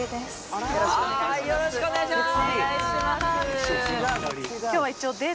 あよろしくお願いします